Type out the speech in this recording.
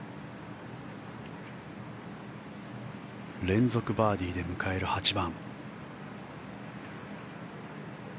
連続バーディーで迎える８番。